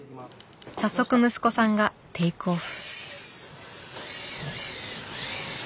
早速息子さんがテイクオフ。